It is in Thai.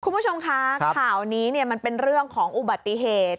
คุณผู้ชมคะข่าวนี้มันเป็นเรื่องของอุบัติเหตุ